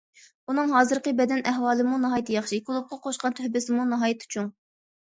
ئۇنىڭ ھازىرقى بەدەن ئەھۋالىمۇ ناھايىتى ياخشى، كۇلۇبقا قوشقان تۆھپىسىمۇ ناھايىتى چوڭ.